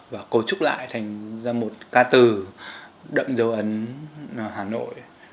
và cấu trúc lại thành ra một ca từ đậm dấu ấn hà nội